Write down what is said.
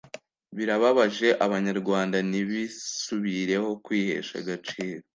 birababaje, abanyarwanda nibisubireho kwihesha agaciro